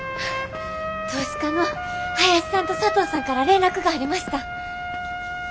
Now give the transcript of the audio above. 投資家の林さんと佐藤さんから連絡がありました。